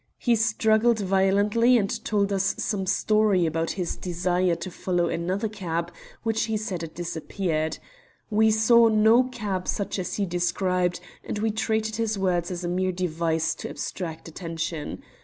He struggled violently, and told us some story about his desire to follow another cab, which he said had disappeared. We saw no cab such as he described, and we treated his words as a mere device to abstract attention.